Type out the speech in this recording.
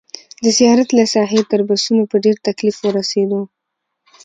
د زیارت له ساحې تر بسونو په ډېر تکلیف ورسېدو.